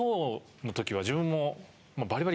自分も。